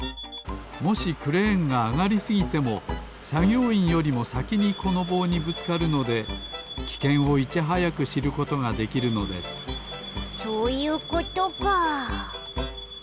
もしクレーンがあがりすぎてもさぎょういんよりもさきにこのぼうにぶつかるのできけんをいちはやくしることができるのですそういうことか。